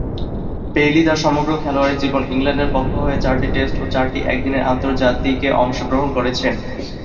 Bailey তার সমগ্র খেলোয়াড়ী জীবনে ইংল্যান্ডের পক্ষ হয়ে চারটি টেস্ট ও চারটি একদিনের আন্তর্জাতিকে অংশগ্রহণ করেছেন।